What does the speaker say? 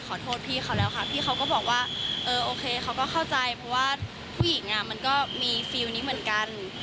ขอโทษจริงมาก